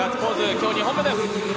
今日２本目です！